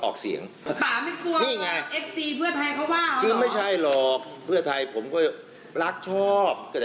เกล้าใกล้จะโ